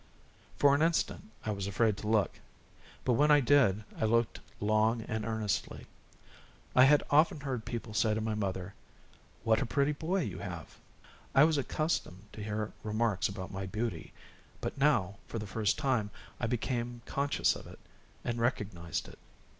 For an instant I was afraid to look, but when I did, I looked long and earnestly. I had often heard people say to my mother: "What a pretty boy you have!" I was accustomed to hear remarks about my beauty; but now, for the first time, I became conscious of it and recognized it.